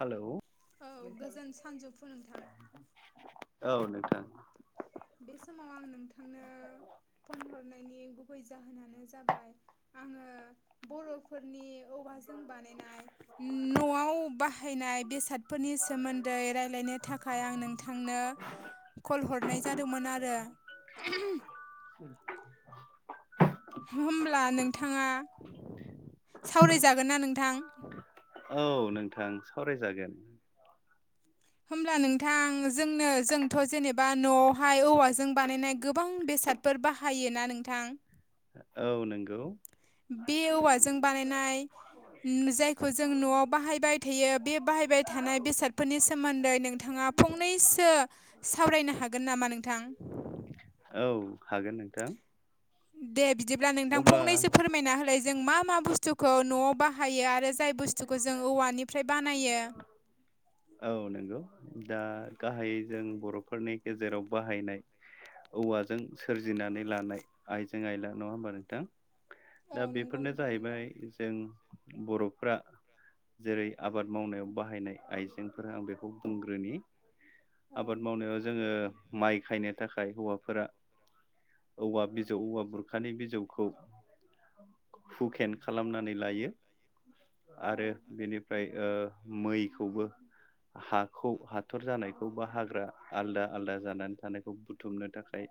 Hello औ नोंथां। बे समाव आं नोंथांनो। फन हरनायनि गुबै जाहोनानो जाबाय आङो बर'फोरनि औवा‌ जों बानायनाय न'आव बाहायनाय बेसादफोरनि सोमोन्दै रायज्लायनो नि थाखाय आं नोंथांनो कल हरनाय जादोंमोन आरो होमब्ला नोंथाङा सावरायजागोन ना नोंथां औ नोंथां सावरायजागोन होमब्ला नोंथां जोंनो जोंथ' जेनेबा न'आवहाय औवाजों बानायनाय गोबां बेसाद फोर बाहायोना नोंथां। औ नंगौ बे औवाजों बानायनाय जायखौ जों न'आव बाहायबाय थायो बे बाहायबाय थानाय बेसादफोरनि सोमोन्दै नोंथाङा फंनैसो सावरायनो हागोन नामा नोंथां? औ हागोन नोंथां दे बिदिब्ला नोंथां फंनैसो फोरमायना होलाय जों मा मा बुस्थुखौ न'आव बाहायो आरो जाय बुस्थुखौ जों औवानिफ्राय बानायो औ नंगौ दा गाहायै जों बर'फोरनि गेजेराव बाहायनाय औवाजों सोरजिनानै लानाय आइजें आइला नङा होमबा नोंथां दा बेफोरनो जाहैबाय जों बर'फ्रा जेरै आबाद मावनायाव बाहायनाय आइजेंफोरा आं बेखौ बुंग्रोनि आबाद मावनायाव जोङो माइ खायनो थाखाय हौवाफोरा औवा बिजौ औवा बुरखानि बिजौखौ हुकेन खालामनानै लायो आरो बेनि ओमफ्राय ओ मै खौबो हाखौ हाथर जानायखौ बा हाग्रा आलादा आलादा जानानै थानायखौ बुथुमनो थाखाय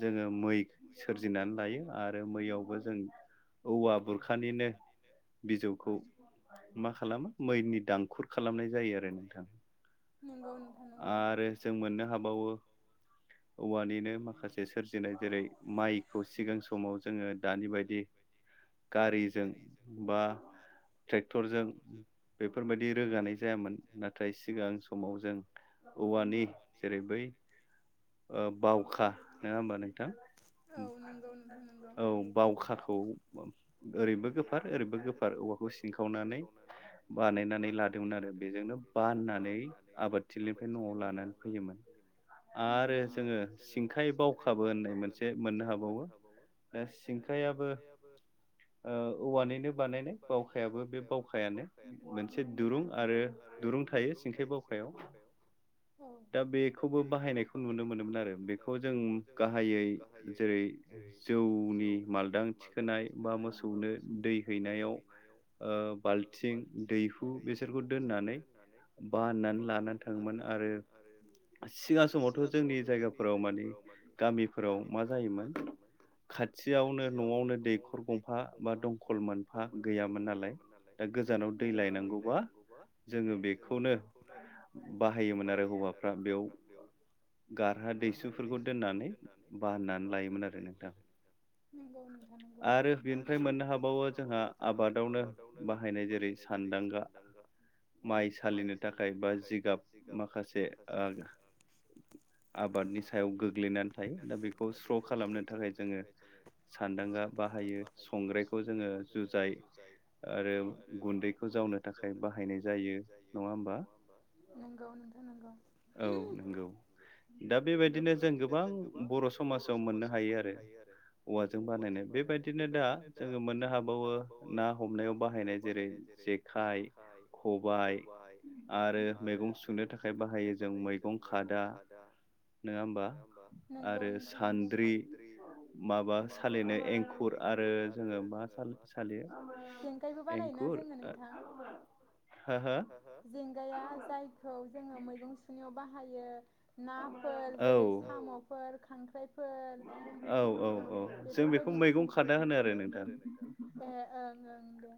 जोङो मै सोरजिनानै लायो आरो मैयावबो जों औवा बुरखानिनो बिजौखौ माखा खालामो मैनि दांखुर खालामनाय जायो आरो नोंथां नोंगौ नोंथां आरो जों मोननो हाबावो [inaudible] औवानिनो माखासे सोरजिनाय जेरै माइखौ सिगां समाव जोङो दानि बायदि गारिजों बा ट्रेक्टरजों बेफोरबायदि रोगानाय जायामोन नाथाय सिगां समाव जों औवानि जेरै बै बावखा नङा होमबा नोंथां औ बावखाखौ ओरैबो गोफार ओरैबो गोफार औवा बेखौ सिनखावनानै बानायनानै लादोंमोन आरो बेजोंनो बाननानै आबादथि बिनिफ्राय न'आव लानानै फैयोमोन आरो जोङो सिंखाय बावखाबो होननाय मोनसे मोननो हाबावो सिंखायाबो औवानैनो बानायनाय बावखायाबो बे बावखायानो मोनसे दुरुं आरो दुरुं थायो सिंखाय बावखायाव दा बेखौबो बाहायनायखौ नुनो आरो बे खौ जों गाहायै जेरै जौनि मालदां थि खोनाय बा मोसौनो दै हैनायाव बाल्थिं दैहु बेसोरखौ दोननानै बाननानै लानानै थाङोमोन आरो सिगां समावथ' जोंनि जायगाफोराव गामिफोराव मा जायोमोन खाथियावनो न'आवनो दैखर गं मोनफा बा दंखल मोनफा गैयामोन नालाय दा गोजानाव दै लायनांगौबा जोंङो बेखौनो बाहायोमोन आरो हौवाफ्रा बेयाव। गारहारा दैसुफोरखौ दोननानै बाननानै लायोमोन आरो नोंथां। नंगौ नोंथां नंगौ आरो बेनिफ्राय मोननो हाबावो जोंहा। नो बाहायनाय जेरै सानदांगा। माइ सालिनो थाखाय बा जिगाब माखासे ओ। आबादनि सायाव गोग्लैनानै थायो दा बेखौ स्र' खालामनो थाखाय जोंङो। सान्दांगा बाहायो संग्रायखौ जोंङो जुजाय। आरो गुन्दैखौ जावनो थाखाय बाहायनाय जायो नङा होमबा। नंगौ नोंथां नंगौ। औ नंगौ। दा बेबायदिनो जों गोबां बर' समाजाव मोननो हायो आरो। औवाजों बानायनाय बेबायदिनो दा जोङो मोननो हाबावो ना हमनायाव बाहायनाय जेरै जेक जेखाइ खबाय आरो मैगं सुनो थाखाय बाहायो जों मैगं खादा। नङा होमबा नंगौ नोंथां नंगौ सानद्रि। माबा सालिनो एंखुर आरो जोङो मा साल सालियो। एंखुर [inaudible] हो हो जेंगाया जायखौ जोङो मैगं सुनायाव बाहायो ना फोर जेरै साम'फोर खांख्राइ औ औ औ जों बेखौ मैगं खादा होनो आरो नोंथां ए ओं ओं दे।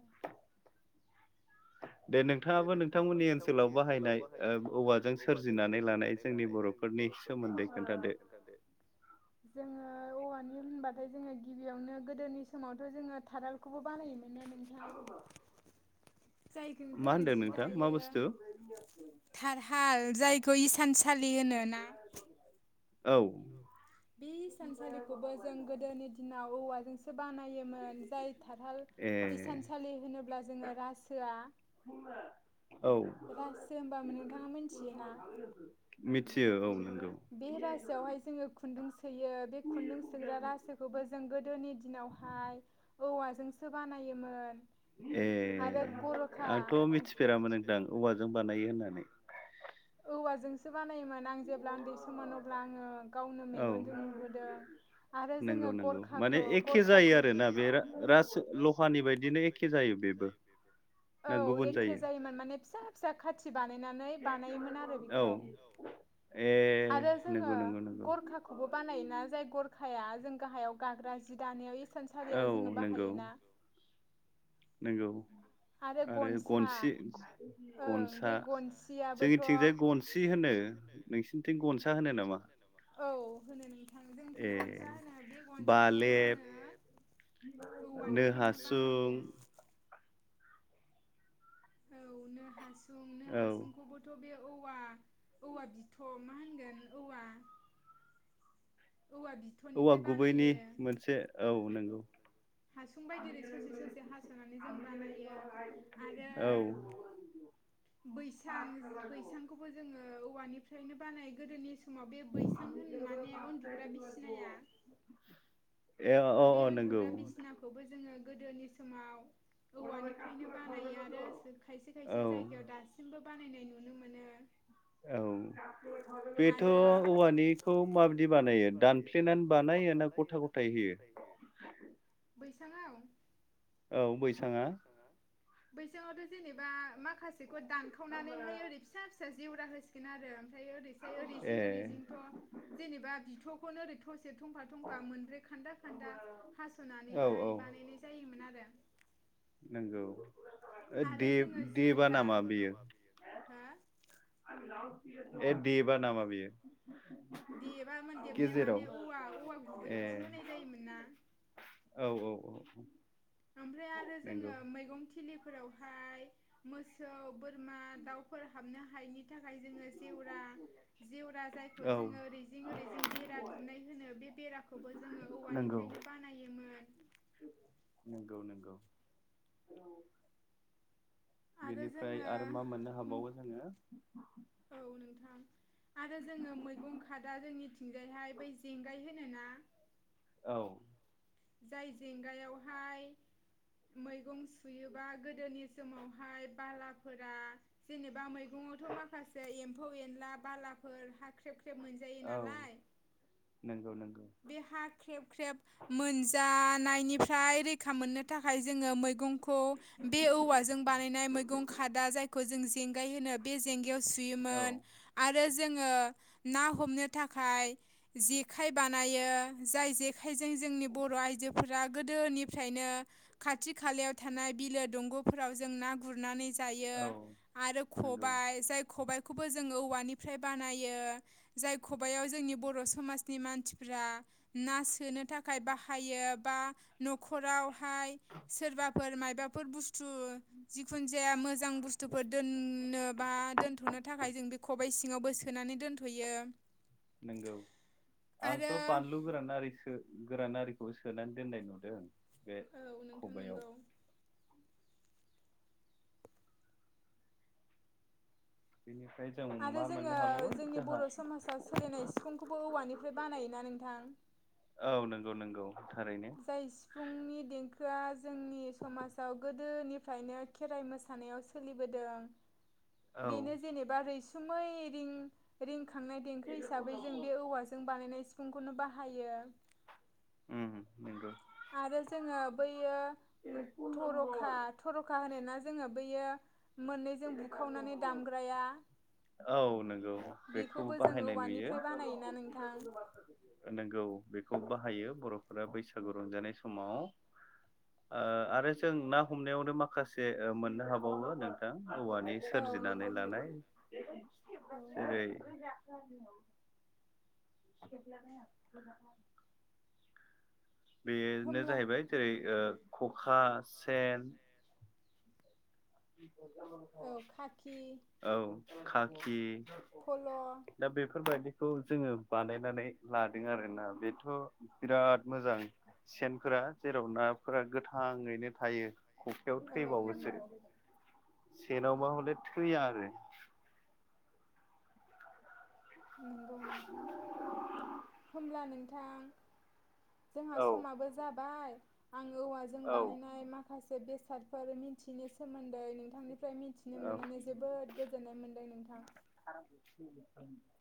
दे नोंथाङाबो नोंथांमोननि ओनसोलाव बाहायनाय ओ औवाजों सोरजिनानै लानाय जोंनि बर' फोरनि सोमोन्दै खोनन्थादो। [unintelligible] जोङो औवानि होनबाथाय जोङो गिबियावनो गोदोनि समावथ' जोङो थारालखौबो बानायोमोन। मोननो नोंथां जायखो जोङो जि दायो थारहाल जाय खो इसानसालि होनोना औ। बे इसानसालिखौबो जों गोदोनि दिनाव औवाजोंसो बानायोमोन जाय थाथाल इसानसालि होनोब्ला जोङो रासोया [inaudible] रासो होब्बाबो नोंथाङा मोन्थियोना। मिथियो औ नोंगौ बे रासोआवहाय जोङो खुन्दुं सोयो बे खुन्दुं सोग्रा रासोखौबो जों गोदोनि दिनाव हाय औवा जोंसो बानायोमोन। आरो गर'खा [inaudible] औवाजोंसो बानायोमोन। नां जेब्ला उन्दै सोमोन अब्ला आङो गावनो मेगनजों नुबोदों। आरो जोङो गरखाखौ गरखाखौ [inaudible] औ एखे जायोमोन माने फिसा फिसा खाथि बानायनानै बानायोमोन आरो बेखौ। आरो जोङो गरखाख खौबो बानायोना जाय गरखाया जों गाहायाव गाग्रा जि दानायाव ए इसानसालियाव जोङो बाहायोना। नोंगौ। आरो गनसि गनसा जोंनिथिंजाय गनसि होनो। नोंसिनिथिं गनसा होनो नामा? औ होनो नोंथां जोंनिथिं गनसा होनो बे गनसाखौबो जोङो नो हासुं औ नो हासुं नो हासुंखौबो थ' बे औवा औवा बिथ' मा होनगोन औवा औवा बि औवा गुबैनि मोनसे औ नोंगौ हासुं बायदि ओरै ससे ससे हासनानै जों बानायो आरो [inaudible] बैसां बैसांखौबो जोङो औवानिफ्रायनो बानाय गोदोनि समाव बे बैसां होन माने उन्दुग्रा बिसिनाया बे उन्दुग्रा बिसिनाखौबो जोङो गोदोनि समाव औवानिफ्रायनो बानायो आरो खायसे खायसे जायगायाव दासिमबो बानायनाय नुनो मोनो। औ बेथ' औवानिखौ माबायदि बानायो दानफ्लेनानै बानायो ना गथा ग थाय होयो? बैसाङाव? औ बैसाङा। बैसांआवथ' जेनेबा माखासेखौ दानखावनानैहाय ओरैहाय फिसा फिसा जेवरा होसिगोन आरो ओमफ्राय ओरैजाय ओरै जिं ओरै जिंथ' जेनेबा बिथ'खौनो ओरैथ'स एसे थंफा थंफा मोनब्रै खान्दा खान्दा हास'नानैहाय बानायनाय जायोमोन आरो। नोंगौ। आरो जोङो जेवरा हा ए देबा नामा बियो? देबामोन देबनाया माने औवा औवा गुबैखौसो होनाय जायोमोन ना। औ औ औ औ ओमफ्राय आरो जोङो मैगं थिलिफोरावहाय मोसौ, बोरमा, दाउफोर हाबनो हायिनि थाखाय जोङो जेवरा जेवरा जाय खौ जोङो ओरै जिं ओरै जिं बेरा दुमनाय होनो। बे बेराखौबो जोङो औवानिफ्रायनो बानायोमोन। नोंगौ नोंगौ। बेनिफ्राय आरो मा मोननो हाबावो जोङो? औ नोंथां आरो जोङो मैगं खादा जोंनिथिं जायहाय बै जेंगाय हो नोना औ जाय जेंगायावहाय मैगं सुयोबा गोदोनि समावहाय बालाफोरा जेनेबा मैगङावथ' माखासे एम्फौ एनला बालाफोर हाख्रेब ख्रेब मोनज औ नोंगौ नोंगौ। बे हा ख्रेब ख्रेब मोनजानायनिफ्राय रैखा मोननो थाखाय जोङो मैगंखौ बे औवाजों बानायनाय मैगं खादा जायखौ जों जेंगाय होनो बे जें गायाव सुयोमोन आरो जोङो ना हमनो थाखाय जेखाय बानायो जाय जेखायजों जोंनि बर' आइजोफोरा गोदोनिफ्रायनो खाथि खालायाव थानाय बिलो दंग'फोराव जों ना गुरनानै जायो। आरो खबाइ जाय खबाय खौबो जोङो औवानिनिफ्राय बानायो। जाय खबायाव जोंनि बर' समाजनि मान सिफ्रा ना सोनो थाखाय बाहायो बा न'खरावहाय सोरबाफोर मायबाफोर बुस्थु जिखुन जाया मोजां बुस्थुफोर दोननो बा दोनथ'नो थाखाय जों बे खबाय सिङावबो सोनानै दोनथ'यो। नंगौ। आंथ' बानलु गोराना आरिखो गोरान आरिखौ सोनानै दोननाय नुदों बे खबाइआव। बेनिफ्राय जों आरो जोङो जोंनि बर' समाजाव सोलिनाय सिफुंखौबो औवानिफ्राय बानायोना नोंथां। औ नंगौ नंगौ थारैनो। जाय सिफुं नि देंखोआ जोंनि समासाव गोदोनिफ्रायनो खेराइ मोसानायाव सोलिबोदों। बेनो जेनेबा रैसुमै रिं रिंखांनाय देंखो हिसाबै जों बे औवाजों बानायनाय सिफुंखौनो बाहायो। उम उम नंगौ आरो जोङो बैयो थरखा थर'खा होनोना जोङो बेयो मोननैजों बुखावनानै दामग्राया औ नंगौ बेखौ बाहायनाय नुयो। नोंगौ बेखौ बाहायो बर'फोरा बैसागु रंजानाय समाव। ओ आरो जों ना हमनायावनो माखासे ओ मोननो हाबावो औवानि सोरजिनानै लानाय जेरै [unintelligible] बेनो जाहैबाय जेरै ओ खखा सेन [unintelligible] औ खाखि औ खाखि फल' दा बेफोरबादिखौ जोङो बानायनानै लादों आरोना बेथ' बिराद मोजां सेनफोरा जेराव नाफोरा गोथाङैनो थायो। खखायाव थैबावोसो सेनावबा हले थैया आरो। नंगौ नोंथां होनब्ला नोंथां जोंहा समाबो जाबाय आं औवाजों बानायनाय माखा खासे बेसादफोर मिथिनो सोमोन्दै नोंथांनिफ्राय मिथिनो मोन्नानै जोबोद गोजोननाय मोन्दो नोंथां। [unintelligible]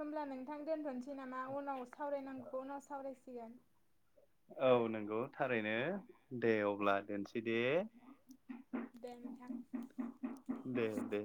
होमब्ला नोंथां दोन्थ'नोसै नामा उनाव सावरायनांगौखौ उनाव सावरायसिगोन। औ नंगौ थारैनो दे अब्ला दोनसैदे। दे नोंथां दे दे